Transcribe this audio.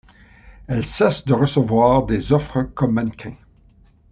Elle cesse de recevoir des offres comme mannequin.